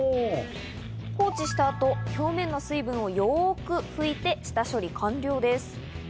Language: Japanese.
放置した後、水分をよく拭いて下処理完了です。